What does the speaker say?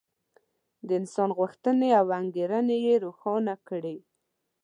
د انسان غوښتنې او انګېرنې یې روښانه کړې.